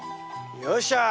よっしゃ！